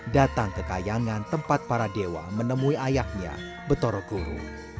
datang ke kayangan tempat para dewa menemui ayahnya betorogoru